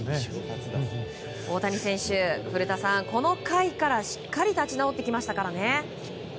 大谷選手、この回からしっかり立ち直ってきましたね。